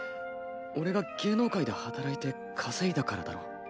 俺が芸能界で働いて稼いだからだろ？